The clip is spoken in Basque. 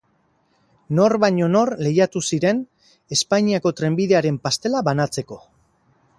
Nor baino nor lehiatu ziren Espainiako trenbidearen pastela banatzeko.